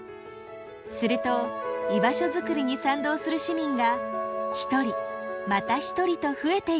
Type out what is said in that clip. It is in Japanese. すると居場所づくりに賛同する市民が一人また一人と増えていきました。